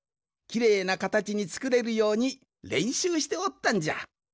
きれいなかたちにつくれるようにれんしゅうしておったんじゃ。